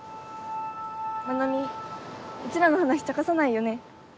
愛未うちらの話ちゃかさないよね。